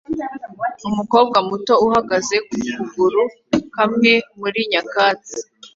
Umukobwa muto uhagaze ku kuguru kamwe muri nyakatsi